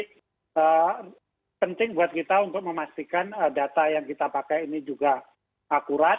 ini penting buat kita untuk memastikan data yang kita pakai ini juga akurat